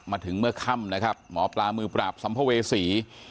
มาถึงเมื่อค่ำนะครับหมอปลามือปราบสัมภเวษี